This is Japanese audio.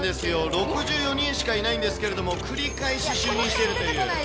６４人しかいないんですけれども、繰り返し就任しているという。